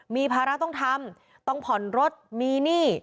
มีภาระต้องทำต้องผ่อนรถมีหนี้